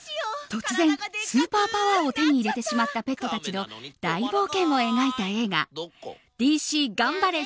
突然、スーパーパワーを手に入れてしまったペットたちの大冒険を描いた映画「ＤＣがんばれ！